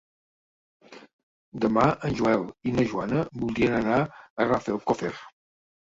Demà en Joel i na Joana voldrien anar a Rafelcofer.